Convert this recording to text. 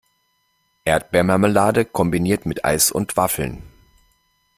Erdbeermarmelade kombiniert mit Eis und Waffeln.